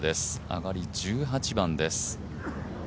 上がり１８番です。